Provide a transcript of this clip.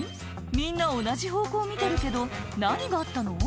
みんな同じ方向見てるけど何があったの？